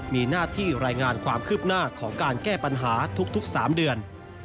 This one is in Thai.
มีหน้าที่รายงานความคืบหน้าของการแก้ปัญหาทุก๓เดือน